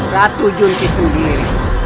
ratu junti sendiri